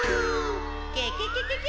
ケケケケケ！